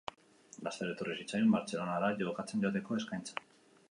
Laster etorri zitzaion Bartzelonara jokatzen joateko eskaintza.